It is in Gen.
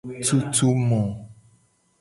Tutu mo.